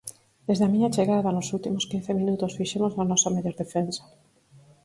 Desde a miña chegada, nos últimos quince minutos fixemos a nosa mellor defensa.